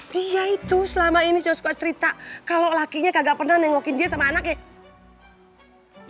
dia itu selama ini saya suka cerita kalau lakinya kagak pernah nengokin dia sama anaknya